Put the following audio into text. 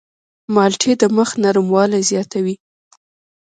مالټې د مخ نرموالی زیاتوي.